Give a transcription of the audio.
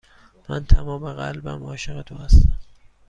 من تمام قلبم عاشق تو هستم.